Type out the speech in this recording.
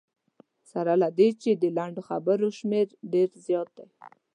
سره له دې چې د لنډو خبرو شمېر ډېر زیات دی.